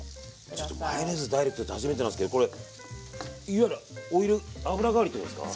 ちょっとマヨネーズダイレクトって初めてなんですけどこれいわゆるオイル油代わりってことですか？